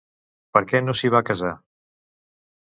Per què no s'hi va casar?